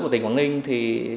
của tỉnh quảng ninh